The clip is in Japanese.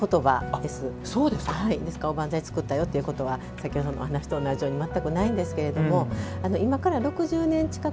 ですから、おばんざい作ったよということは先ほどのお話と同じようにないんですけど今から６０年近く